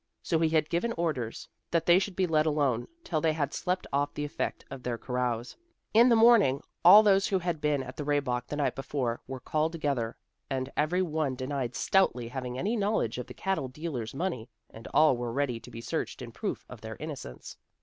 So he had given orders that they should be let alone till they had slept off the effect of their carouse. In the morning, all those who had been at the Rehbock the night before, were called together; and every one denied stoutly having any knowledge of the cattle dealer's money, and all were ready to be searched in proof of their innocence.